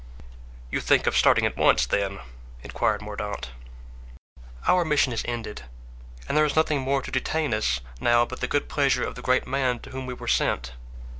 "You think of starting at once, then?" inquired Mordaunt. "Our mission is ended, and there is nothing more to detain us now but the good pleasure of the great man to whom we were sent."